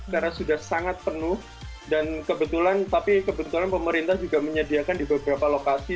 karena sudah sangat penuh dan kebetulan tapi kebetulan pemerintah juga menyediakan di beberapa lokasi